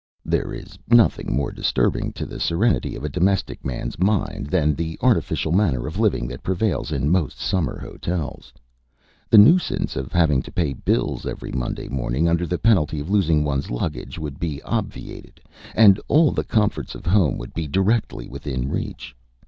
There is nothing more disturbing to the serenity of a domestic man's mind than the artificial manner of living that prevails in most summer hotels. The nuisance of having to pay bills every Monday morning under the penalty of losing one's luggage would be obviated, and all the comforts of home would be directly within reach.